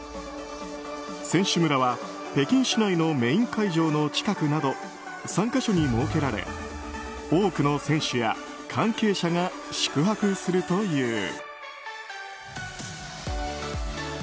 選手村は北京市内のメイン会場の近くなど３か所に設けられ多くの選手や関係者が宿泊するという。